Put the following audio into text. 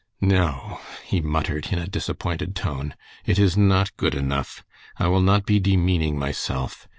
"No!" he muttered, in a disappointed tone, "it is not good enough. I will not be demeaning myself.